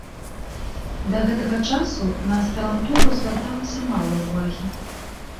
Да гэтага часу на аспірантуру звярталася мала ўвагі.